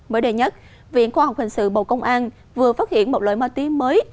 mới đây nhất viện khoa học hình sự bầu công an vừa phát hiện một loại ma túy mới